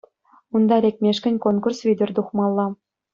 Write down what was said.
Унта лекмешкӗн конкурс витӗр тухмалла.